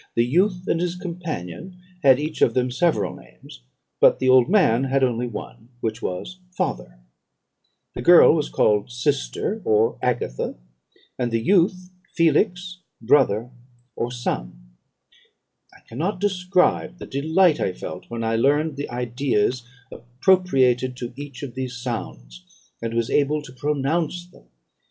The youth and his companion had each of them several names, but the old man had only one, which was father. The girl was called sister, or Agatha; and the youth Felix, brother, or son. I cannot describe the delight I felt when I learned the ideas appropriated to each of these sounds, and was able to pronounce them.